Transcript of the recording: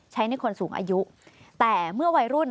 ใช้ในคนสูงอายุแต่เมื่อวัยรุ่น